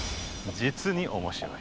実に面白い。